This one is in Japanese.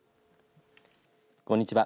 こんにちは。